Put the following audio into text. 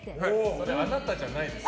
それあなたじゃないですか？